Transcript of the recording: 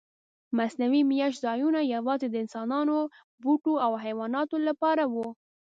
مصنوعي میشت ځایونه یواځې د انسانانو، بوټو او حیواناتو لپاره وو.